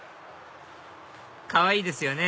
かわいいですよね！